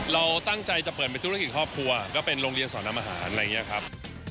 เราตั้งใจจะเปิดเป็นธุรกิจครอบครัวก็เป็นโรงเรียนสอนทำอาหารอะไรอย่างนี้ครับ